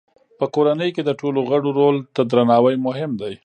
په کورنۍ کې د ټولو غړو رول ته درناوی مهم دی.